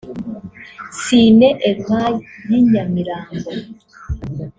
Cine Elmay y’i Nyamirambo